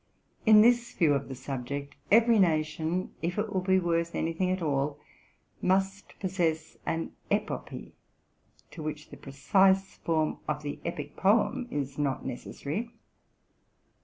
In this view of the subject, every nation, if it would be worth any thing at all, must possess an epopee, to which the precise form of the epic poem is not necessary.